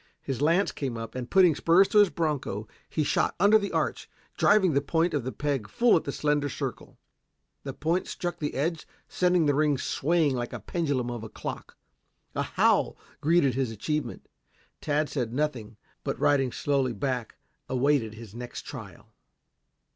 His lance came up, and putting spurs to his broncho, he shot under the arch, driving the point of the peg full at the slender circle. The point struck the edge sending the ring swaying like the pendulum of a clock. A howl greeted his achievement. Tad said nothing, but riding slowly back, awaited his next trial.